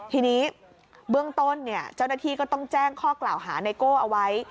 ทีนี้เบื้องต้นเจ้าหน้าที่ก็ต้องแจ้งข้อกล่าวหาไนโก้เอาไว้